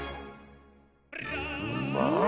うまい！